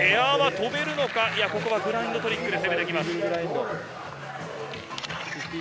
エアは飛べるのか、ここはグラインドトリックで攻めてきます。